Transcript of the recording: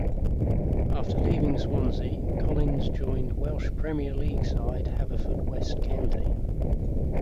After leaving Swansea, Collins joined Welsh Premier League side Haverfordwest County.